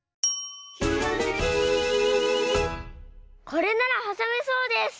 これならはさめそうです。